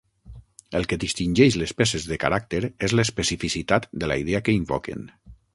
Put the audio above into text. El que distingeix les peces de caràcter és l'especificitat de la idea que invoquen.